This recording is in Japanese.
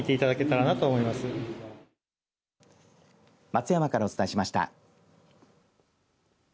松山からお伝えしました。